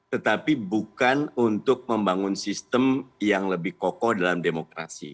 tetapi bukan untuk membangun sistem yang lebih kokoh dalam demokrasi